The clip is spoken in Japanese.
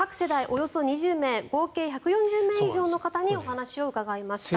およそ２０名合計１４０名以上の方にお話を伺いました。